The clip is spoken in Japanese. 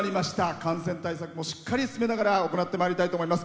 感染対策もしっかり進めながら行ってまいりたいと思います。